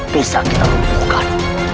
bisa kita kembangkan